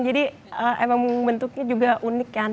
jadi emang bentuknya juga unik kan